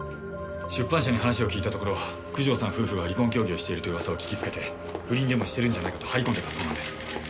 出版社に話を聞いたところ九条さん夫婦が離婚協議をしているという噂を聞きつけて不倫でもしてるんじゃないかと張り込んでたそうなんです。